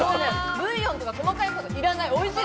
ブイヨンとか細かいこといらない。